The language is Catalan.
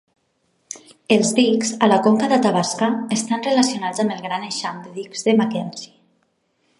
Els dics a la conca d'Athabasca estan relacionats amb el gran eixam de dics de Mackenzie.